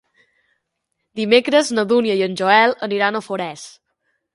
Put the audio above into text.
Dimecres na Dúnia i en Joel aniran a Forès.